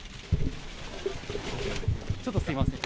ちょっとすみません。